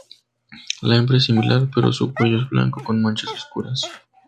La hembra es similar, pero su cuello es blanco con manchas oscuras.